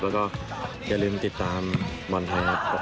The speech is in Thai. แล้วก็อย่าลืมติดตามบอลไทยรัฐ